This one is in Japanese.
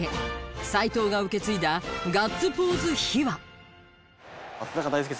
斎藤が受け継いだガッツポーズ秘話。